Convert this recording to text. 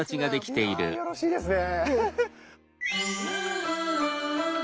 いやよろしいですね。